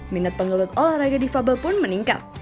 minat pengelut olahraga di fabel pun meningkat